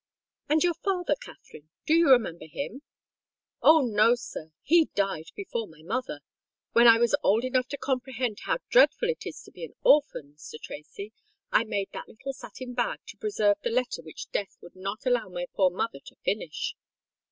"And your father, Katherine—do you remember him?" "Oh! no, sir—he died before my mother. When I was old enough to comprehend how dreadful it is to be an orphan, Mr. Tracy, I made that little satin bag to preserve the letter which Death would not allow my poor mother to finish."